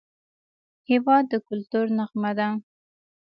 هېواد د کلتور نغمه ده.